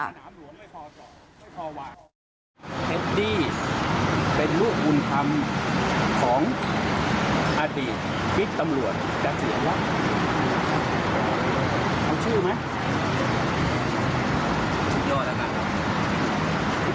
วันนี้เป็นลูกบุญคำของพิษตำรวจดักเสียรักเอาชื่อไหม